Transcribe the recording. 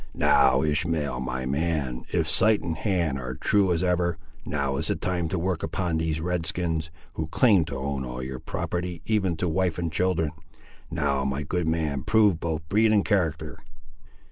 "Now, Ishmael, my man, if sight and hand ar' true as ever, now is the time to work upon these Redskins, who claim to own all your property, even to wife and children! Now, my good man, prove both breed and character!"